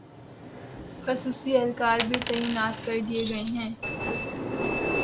خصوصی اہلکار بھی تعینات کردیئے ہیں